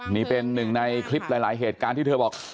นี่เป็นหนึ่งในคลิปหลายเหตุการณ์ที่เธอบอก